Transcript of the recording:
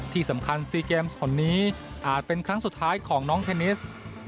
ที่สำคัญซีเกมส์คนนี้อาจเป็นครั้งสุดท้ายของน้องเทนิส